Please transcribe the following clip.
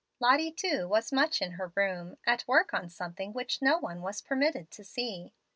Lottie, too, was much in her room, at work on something which no one was permitted to see.